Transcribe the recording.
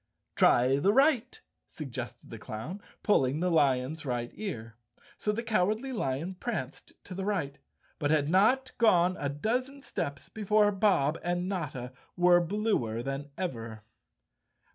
"Try the right," suggested the clown, pulling the lion's right ear. So the Cowardly Lion pranced to the right, but had not gone a dozen steps before Bob and Notta were bluer than ever.